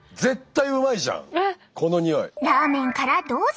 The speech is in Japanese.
ラーメンからどうぞ！